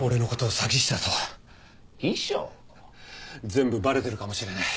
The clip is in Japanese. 全部バレてるかもしれない。